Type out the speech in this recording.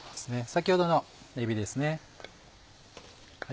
先ほどのえびです。